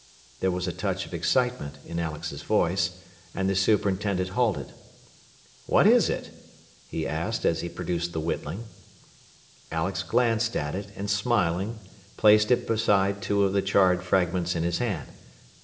There was a touch of excitement in Alex's voice, and the superintendent halted. "What is it?" he asked as he produced the whittling. Alex glanced at it, and smiling, placed it beside two of the charred fragments in his hand.